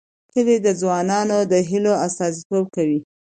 کلي د ځوانانو د هیلو استازیتوب کوي.